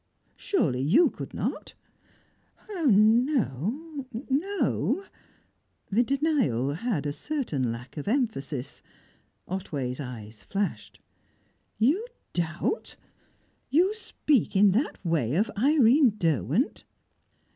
Surely you could not?" "No no " The denial had a certain lack of emphasis. Otway's eyes flashed. "You doubt? You speak in that way of Irene Derwent?"